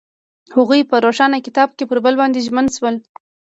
هغوی په روښانه کتاب کې پر بل باندې ژمن شول.